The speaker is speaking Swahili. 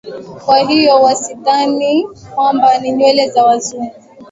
kwa hiyo wasidhani kwamba ni nywele za wazungu